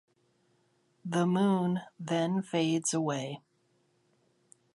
The Moon then fades away.